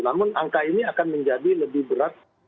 namun angka ini akan menjadi lebih berat